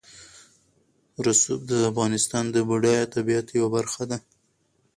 رسوب د افغانستان د بډایه طبیعت یوه برخه ده.